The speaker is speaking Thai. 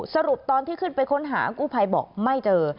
สรุปตอนที่ขึ้นไปค้นหากู้ภัยบอกไม่เจอ